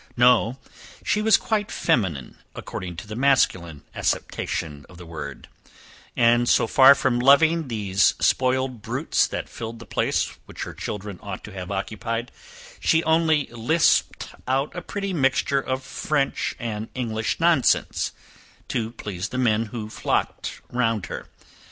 No, she was quite feminine, according to the masculine acceptation of the word; and, so far from loving these spoiled brutes that filled the place which her children ought to have occupied, she only lisped out a pretty mixture of French and English nonsense, to please the men who flocked round her.